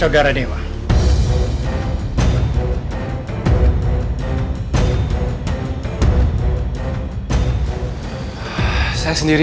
buat apa sih si binnuh